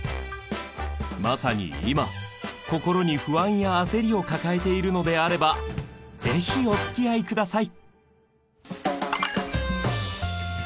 まさに今心に不安や焦りを抱えているのであれば是非おつきあいください。